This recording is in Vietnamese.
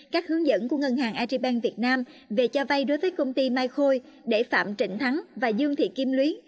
các hướng dẫn của ngân hàng agribank việt nam về cho vay đối với công ty mai khôi để phạm trịnh thắng và dương thị kim luyến